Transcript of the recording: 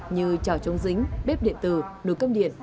như trào chống dính bếp điện tử nồi cơm điện